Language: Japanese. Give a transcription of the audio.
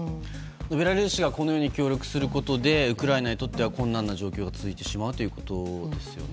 ベラルーシが協力することでウクライナにとって困難な状況が続くということですね。